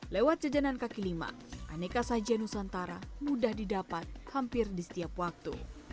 lewat jajanan kaki lima aneka sajian nusantara mudah didapat hampir di setiap waktu